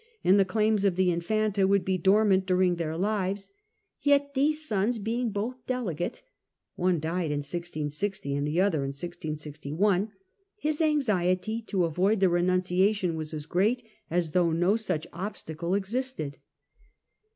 and the claims of the Infanta would be dormant during their lives, yet, these sons being both delicate (one died in 1660 and the other in 1661), his anxiety to avoid the renunciation was as great as though no such obstacle existed.